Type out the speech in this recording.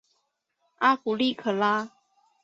阿古利可拉。